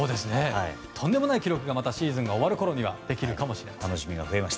とんでもない記録がシーズンが終わるころにできるかもしれません。